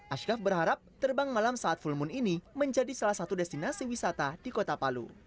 ashkaf berharap terbang malam saat full moon ini menjadi salah satu destinasi wisata di kota palu